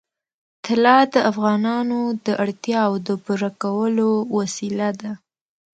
طلا د افغانانو د اړتیاوو د پوره کولو وسیله ده.